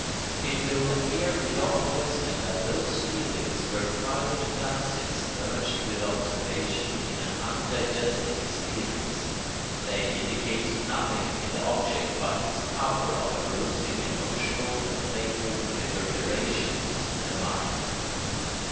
It will appear beyond question that those feelings were private fancies merged with observation in an undigested experience. They indicated nothing in the object but its power of arousing emotional and playful reverberations in the mind.